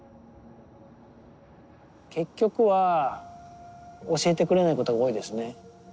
結局は教えてくれないことが多いですね。